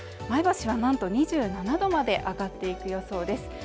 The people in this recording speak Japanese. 前橋はなんと２７度まで上がっていく予想です